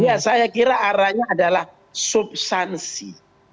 iya saya kira arahnya adalah subsansi